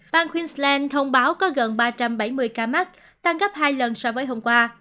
bang queensland thông báo có gần ba trăm bảy mươi ca mắc tăng gấp hai lần so với hôm qua